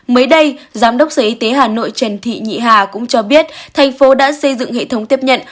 mới đây giám đốc sở y tế hà nội trần thị nhị hà cũng cho biết thành phố đã xây dựng hệ thống tiếp nhận